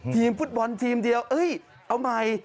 ทีมฟุตบอลทีมเดียวเอ้ยเอาใหม่